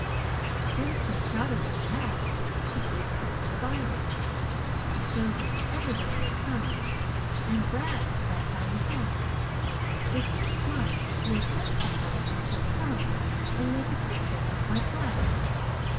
Jim's so proud of what he has he keeps them in the Bible. He shows them to everybody that comes, and brags about how he helped. If you're smart, you'll send for her and she'll come and make a picture just like life.